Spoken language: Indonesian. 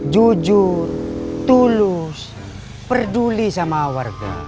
jujur tulus peduli sama warga